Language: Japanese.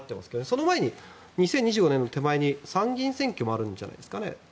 その前に２０２５年の手前に参議院選挙もあるんじゃないですかね。